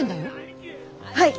はい！